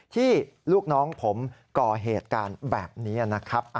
ที่ลูกน้องผมก่อเหตุการณ์แบบนี้นะครับ